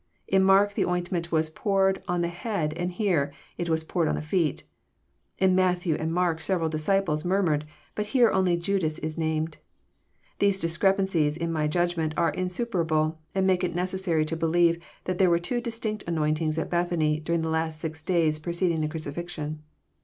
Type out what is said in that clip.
In Mark the ointment was poured on the head, and here it was poured on the feet. In Matthew and Mark several <* disciples" murmured, but here only Judas is named. These discrepancies, in my Judgment, are insuperable, and make it necessary to believe that there were two distinct anointings at Bethany during the last six days preceding the crucifixion.